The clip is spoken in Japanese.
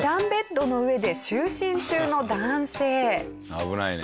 危ないね。